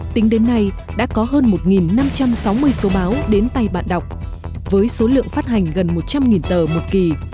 tính đến nay đã có hơn một năm trăm sáu mươi số báo đến tay bạn đọc với số lượng phát hành gần một trăm linh tờ một kỳ